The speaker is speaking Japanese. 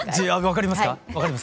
分かりますか？